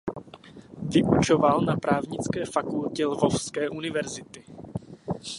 Vyučoval na právnické fakultě Lvovské univerzity.